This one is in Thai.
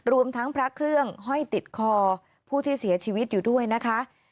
รวมทั้งพระเครื่องห้อยติดคอผู้ที่เสียชีวิตอยู่ด้วยนะคะ